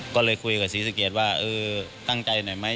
ก็เลยคุยกับศรีสะเกดว่าเออตั้งใจหน่อยไหม